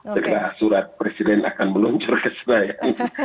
segera surat presiden akan meluncur ke sana ya